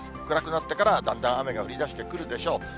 暗くなってからだんだん雨が降りだしてくるでしょう。